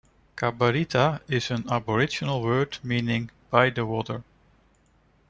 Cabarita is an Aboriginal word meaning "by the water".